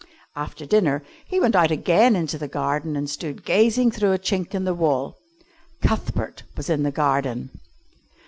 After dinner he went out again into the garden and stood gazing through a chink in the wall. Cuthbert was in the garden.